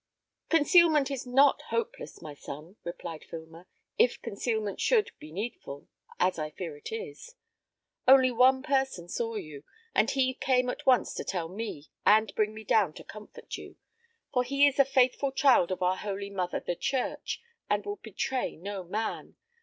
"Concealment is not hopeless, my son," replied Filmer, "if concealment should, be needful, as I fear it is. Only one person saw you, and he came at once to tell me, and bring me down to comfort you; for he is a faithful child of our holy mother the church, and will betray no man.